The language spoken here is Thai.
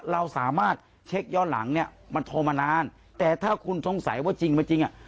เราสามารถเช็คย้อนหลังเนี่ยมันโทรมานานแต่ถ้าคุณสงสัยว่าจริงไม่จริงอ่ะ